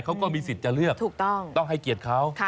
เขาก็มีสิทธิ์จะเลือกถูกต้องต้องให้เกียรติเขา